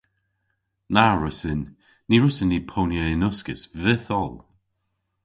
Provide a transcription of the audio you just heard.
Na wrussyn. Ny wrussyn ni ponya yn uskis vytholl.